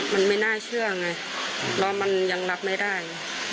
มันไม่น่าเชื่อไงเพราะมันยังรับไม่ได้